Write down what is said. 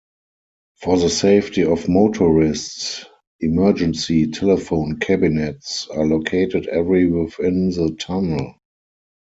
For the safety of motorists, emergency telephone cabinets are located every within the tunnel.